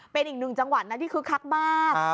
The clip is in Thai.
เป็นอีกหนึ่งจังหวัดนะที่คึกคักมาก